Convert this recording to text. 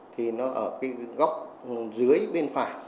thì nó ở góc dưới bên phải